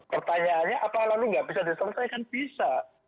pertanyaannya apa lalu nggak bisa diselesaikan bisa